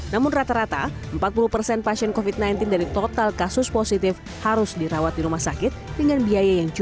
namun rata rata empat puluh persen pasien covid sembilan belas dari total kasus positif harus dirawat di rumah sakit dengan biaya yang cukup